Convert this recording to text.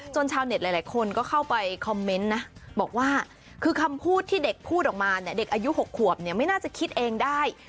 ชาวเน็ตหลายคนก็เข้าไปคอมเมนต์นะบอกว่าคือคำพูดที่เด็กพูดออกมาเนี่ยเด็กอายุ๖ขวบเนี่ยไม่น่าจะคิดเองได้